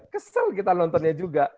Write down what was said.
kesel kita nontonnya juga